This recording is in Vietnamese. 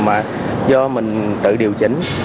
mà do mình tự điều chỉnh